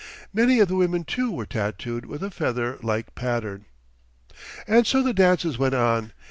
Many of the women, too, were tattooed with a feather like pattern. And so the dances went on.